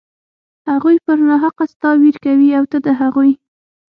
هغوى پر ناحقه ستا وير کوي او ته د هغوى.